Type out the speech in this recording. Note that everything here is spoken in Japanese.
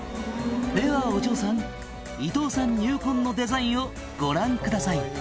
「ではお嬢さん伊藤さん入魂のデザインをご覧ください」